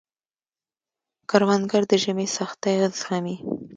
کروندګر د ژمي سختۍ زغمي